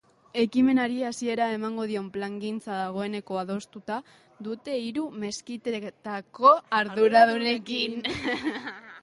Ekimenari hasiera emango dion plangintza dagoeneko adostuta dute hiru meskitetako arduradunekin.